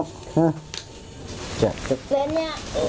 chạy chất lên nha